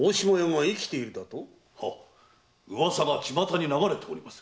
噂が巷に流れております。